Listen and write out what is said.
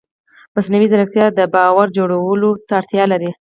مصنوعي ځیرکتیا د باور جوړولو ته اړتیا لري.